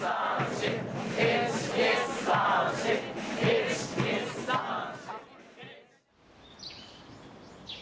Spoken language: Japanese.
１２３４１２３４。